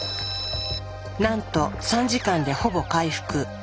なんと３時間でほぼ回復。